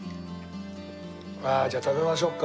じゃあ食べましょうか。